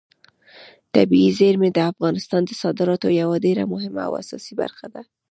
طبیعي زیرمې د افغانستان د صادراتو یوه ډېره مهمه او اساسي برخه ده.